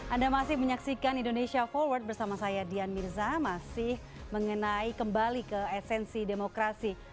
anda masih menyaksikan indonesia forward bersama saya dian mirza masih mengenai kembali ke esensi demokrasi